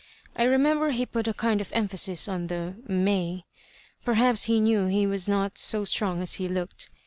I rememb^ he put a kind of emphasis on the Toay. Perhaps he knew he was not so strong as he looked.